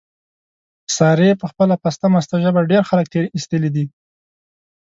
سارې په خپله پسته مسته ژبه، ډېر خلک تېر ایستلي دي.